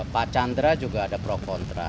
pak chandra juga ada pro kontra